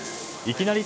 いきなり！